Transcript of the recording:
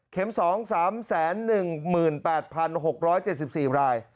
เข็มสอง๓๑๘๖๗๔ราย